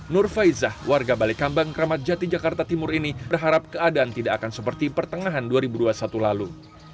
nur faizah warga balai kambang kramat jati jakarta timur ini berharap keadaan tidak akan seperti pertengahan dua ribu dua puluh satu lalu